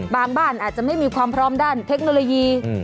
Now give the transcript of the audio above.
บ้านอาจจะไม่มีความพร้อมด้านเทคโนโลยี